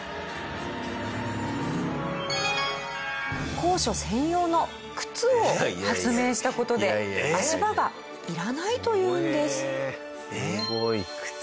高所専用の靴を発明した事で足場がいらないというんです。